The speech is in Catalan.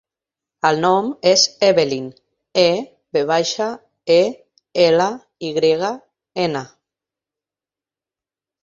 El nom és Evelyn: e, ve baixa, e, ela, i grega, ena.